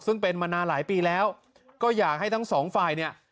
ซึ่งเป็นมานานหลายปีแล้วก็อยากให้ทั้งสองฝ่ายเนี่ย